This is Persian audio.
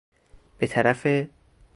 بطرف ِ